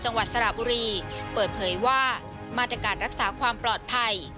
สระบุรีเปิดเผยว่ามาตรการรักษาความปลอดภัย